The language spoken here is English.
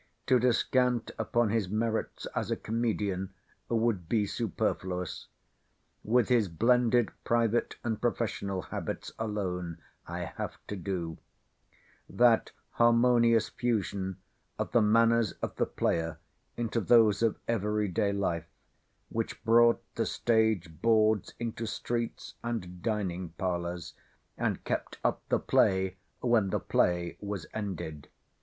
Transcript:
To descant upon his merits as a Comedian would be superfluous. With his blended private and professional habits alone I have to do; that harmonious fusion of the manners of the player into those of every day life, which brought the stage boards into streets, and dining parlours, and kept up the play when the play was ended.